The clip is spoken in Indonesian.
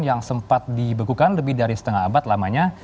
yang sempat dibekukan lebih dari setengah abad lamanya